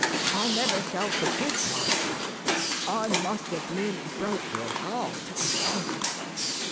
I never shall forgive myself. I must have nearly broke your heart, I know.